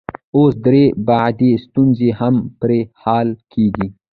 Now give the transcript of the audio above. اوس درې بعدي ستونزې هم پرې حل کیږي.